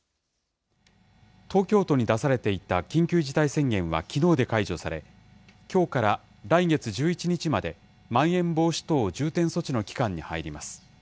東京都に出されていた緊急事態宣言はきのうで解除され、きょうから来月１１日まで、まん延防止等重点措置の期間に入ります。